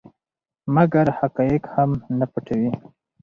مګر حقایق هم نه پټوي.